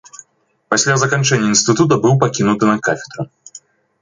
Пасля заканчэння інстытута быў пакінуты на кафедры.